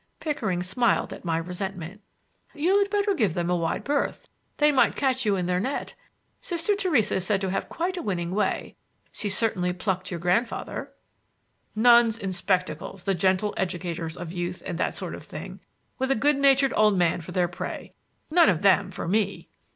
Pickering smiled at my resentment. "You'd better give them a wide berth; they might catch you in their net. Sister Theresa is said to have quite a winning way. She certainly plucked your grandfather." "Nuns in spectacles, the gentle educators of youth and that sort of thing, with a good natured old man for their prey. None of them for me!"